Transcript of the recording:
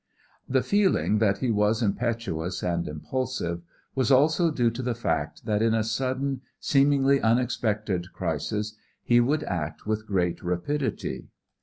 The feeling that he was impetuous and impulsive was also due to the fact that in a sudden, seemingly unexpected crisis he would act with great rapidity.